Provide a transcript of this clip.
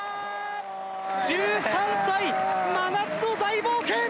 １３歳、真夏の大冒険！